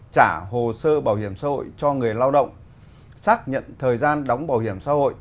trả hồ sơ bảo hiểm xã hội cho người lao động xác nhận thời gian đóng bảo hiểm xã hội